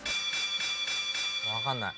わかんない。